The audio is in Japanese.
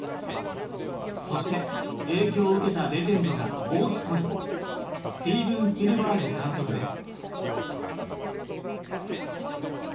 そして影響を受けたレジェンドがもう一人スティーブン・スピルバーグ監督です